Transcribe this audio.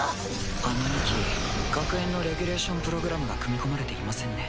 あの２機学園のレギュレーションプログラムが組み込まれていませんね。